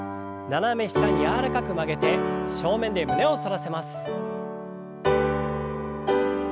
斜め下に柔らかく曲げて正面で胸を反らせます。